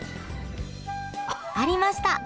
ありました！